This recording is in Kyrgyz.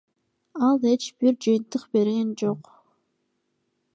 Ал эч бир жыйынтык берген жок.